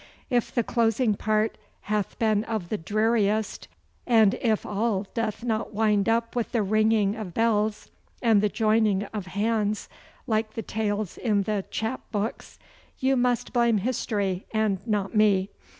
If the closing part hath been of the dreariest, and if all doth not wind up with the ringing of bells and the joining of hands, like the tales in the chap books, you must blame history and not me.